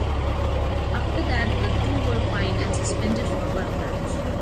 After that the two were fined and suspended for one match.